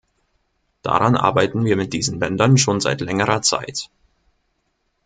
Daran arbeiten wir mit diesen Ländern schon seit längerer Zeit.